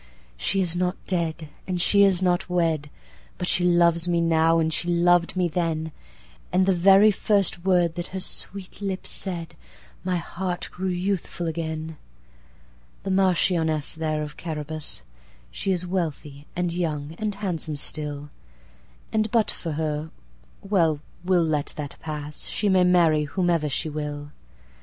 She is not dead, and she is not wed! But she loves me now, and she lov'd me then! And the very first word that her sweet lips said, My heart grew youthful again. The Marchioness there, of Carabas, She is wealthy, and young, and handsome still, And but for her … well, we 'll let that pass, She may marry whomever she will.